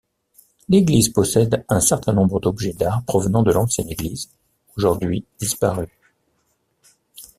L'église possède un certain nombre d'objets d’art provenant de l'ancienne église, aujourd’hui disparue.